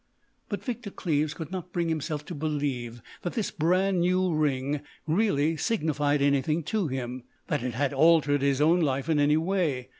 But Victor Cleves could not bring himself to believe that this brand new ring really signified anything to him,—that it had altered his own life in any way.